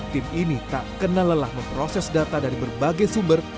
tim ini tak kenal lelah memproses data dari berbagai sumber